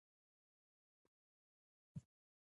غریب د پاکو هیلو خاوند وي